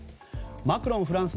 マクロンフランス